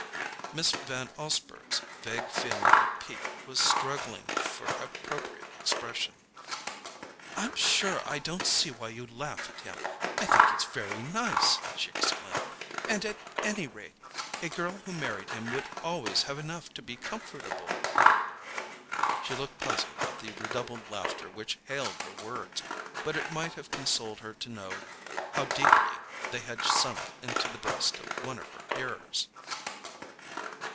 Miss Van Osburgh's vague feeling of pique was struggling for appropriate expression. "I'm sure I don't see why you laugh at him; I think he's very nice," she exclaimed; "and, at any rate, a girl who married him would always have enough to be comfortable." She looked puzzled at the redoubled laughter which hailed her words, but it might have consoled her to know how deeply they had sunk into the breast of one of her hearers.